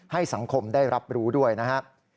ให้สังคมได้รับรู้ด้วยนะครับ